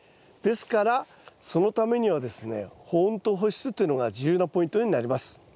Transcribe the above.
ですからそのためにはですね保温と保湿というのが重要なポイントになります。